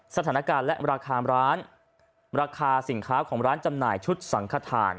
สถานการณ์และราคาร้านราคาสินค้าของร้านจำหน่ายชุดสังขทาน